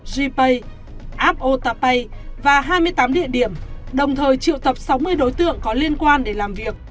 gpay app otapay và hai mươi tám địa điểm đồng thời triệu tập sáu mươi đối tượng có liên quan để làm việc